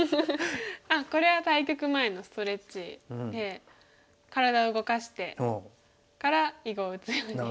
これは対局前のストレッチで体を動かしてから囲碁を打つように。